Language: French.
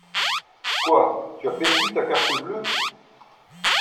Quoi? Tu as perdu ta carte bleue ?